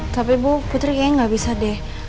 tapi bu putri kayaknya nggak bisa deh